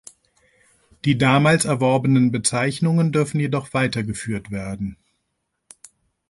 Die damals erworbenen Bezeichnungen dürfen jedoch weiter geführt werden.